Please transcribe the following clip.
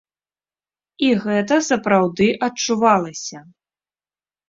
І гэта сапраўды адчувалася.